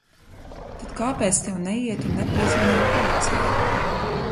Tad kāpēc tev neiet un nepiezvanīt policijai?